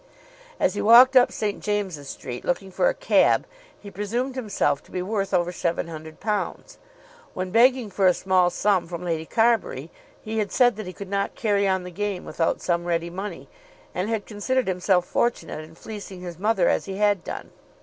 As he walked up St. James's Street, looking for a cab, he presumed himself to be worth over £700. When begging for a small sum from Lady Carbury, he had said that he could not carry on the game without some ready money, and had considered himself fortunate in fleecing his mother as he had done.